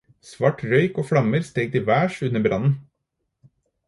Svart røyk og flammer steg til værs under brannen.